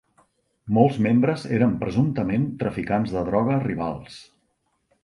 Molts membres eren presumptament traficants de droga rivals.